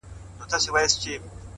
د کوټې کونج تل لږ زیات سکوت لري’